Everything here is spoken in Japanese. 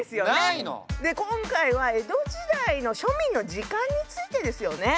で今回は江戸時代の庶民の時間についてですよね。